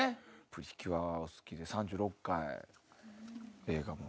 『プリキュア』好きで３６回映画も。